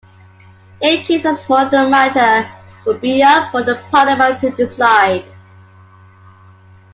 In case of smaller the matter would be up for the Parliament to decide.